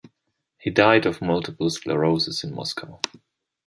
He died of multiple sclerosis in Moscow.